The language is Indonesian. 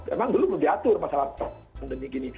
memang belum diatur masalah pandemi gini